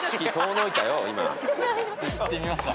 いってみますか。